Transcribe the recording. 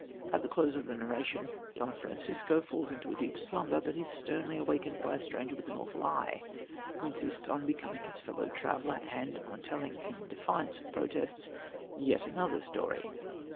At the close of the narration Don Francisco falls into a deep slumber, but is sternly awakened by a stranger with an awful eye, who insists on becoming his fellow traveller, and on telling, in defiance of protests, yet another story.